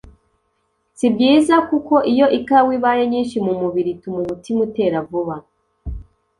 si byiza kuko iyo ikawa ibaye nyinshi mu mubiri ituma umutima utera vuba